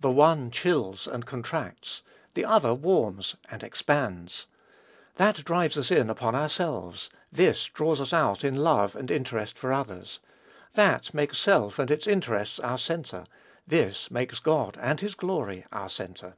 The one chills and contracts, the other warms and expands. That drives us in upon ourselves; this draws us out in love and interest for others. That makes self and its interests our centre; this makes God and his glory our centre.